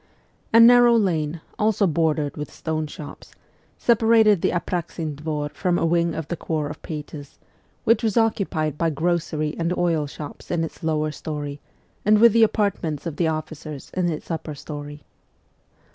A narrow lane, also bordered with stone shops, separated the Apraxin Dvor from a wing of the Corps of Pages, which was occupied by grocery and oil shops in its lower story and with the apart ments of the officers in its upper story.